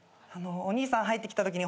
お兄さん入ってきたとき